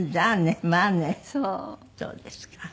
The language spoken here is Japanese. そうですか。